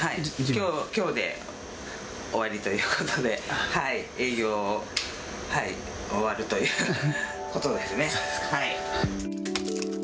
きょうで終わりということで、営業を終わるということですね。